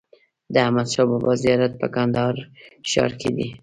د احمدشاه بابا زيارت په کندهار ښار کي دئ.